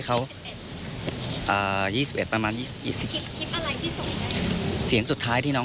เขาอ่ายี่สิบเอ็ดประมาณยี่สิบคลิปอะไรที่ส่งเสียงสุดท้ายที่น้อง